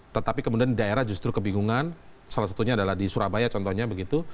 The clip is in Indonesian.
tetapi kemudian daerah justru kebingungan salah satunya adalah di surabaya contohnya begitu